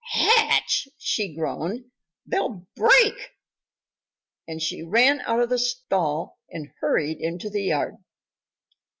"Hatch!" she groaned. "They'll break!" And she ran out of the stall and hurried into the yard.